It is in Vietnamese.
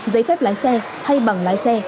giấy phép lái xe hay bằng lái xe